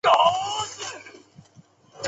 这使得分子的光能吸收的范围降低。